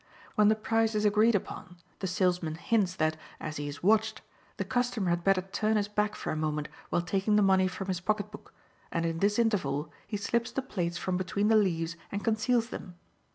When the price is agreed upon, the salesman hints that, as he is watched, the customer had better turn his back for a moment while taking the money from his pocket book, and in this interval he slips the plates from between the leaves and conceals them.